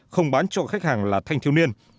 không bán cho khách hàng là thanh thiếu niên